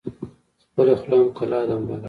ـ خپله خوله هم کلا ده هم بلا ده.